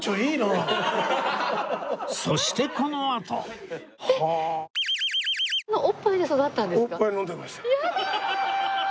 そしてこのあとやだ！